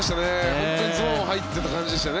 本当にゾーンに入っていた感じでしたね